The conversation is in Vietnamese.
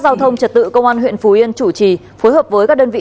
giao thông trật tự công an huyện phú yên chủ trì phối hợp với các đơn vị